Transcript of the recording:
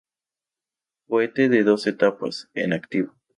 Cohete de dos etapas, en activo.